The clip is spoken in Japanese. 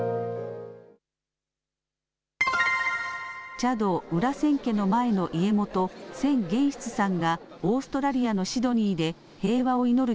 茶道・裏千家の前の家元千玄室さんがオーストラリアのシドニーで平和を祈る